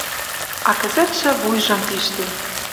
А кӹзӹтшӹ вуйжым пиштен